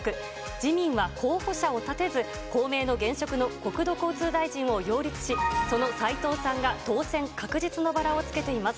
自民は候補者を立てず、公明の現職の国土交通大臣を擁立し、その斉藤さんが当選確実のバラをつけています。